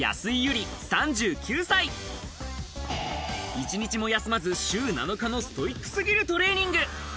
１日も休まず週７日のストイック過ぎるトレーニング。